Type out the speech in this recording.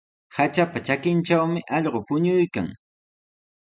Hatrapa trakintrawmi allqu puñuykan.